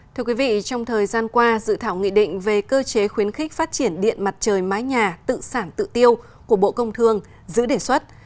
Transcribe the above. thưa quý vị trong thời gian qua dự thảo nghị định về cơ chế khuyến khích phát triển điện mặt trời mái nhà tự sản tự tiêu của bộ công thương giữ đề xuất